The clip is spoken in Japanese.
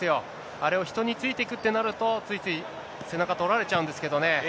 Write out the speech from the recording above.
あれを人についていくってなると、ついつい背中取られちゃうんですけどね。